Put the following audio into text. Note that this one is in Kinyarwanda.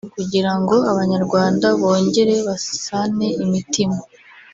kugira ngo abanyarwanda bongere basane imitima